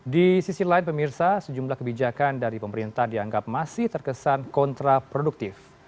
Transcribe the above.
di sisi lain pemirsa sejumlah kebijakan dari pemerintah dianggap masih terkesan kontraproduktif